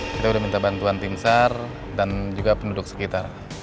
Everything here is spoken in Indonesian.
kita sudah minta bantuan tim sar dan juga penduduk sekitar